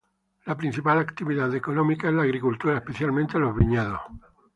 La principal actividad económica es la agricultura, especialmente los viñedos.